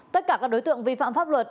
tất cả các đối tượng vi phạm pháp luật